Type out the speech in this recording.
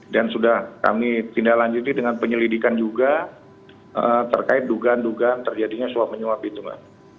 dan sudah kami tindak lanjuti dengan penyelidikan juga terkait dugaan dugaan terjadinya suap menyuap itu mbak